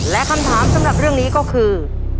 และคำถามสำหรับเรื่องนี้ก็คือ